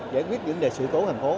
giải quyết những vấn đề sự tố thành phố